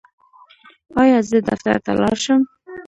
ایا زه دفتر ته لاړ شم؟